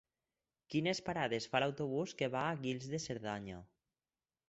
Quines parades fa l'autobús que va a Guils de Cerdanya?